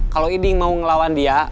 kalau eading mau ngelawan dia